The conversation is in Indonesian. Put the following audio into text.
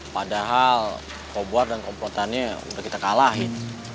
padahal cobar dan kompotannya udah kita kalahin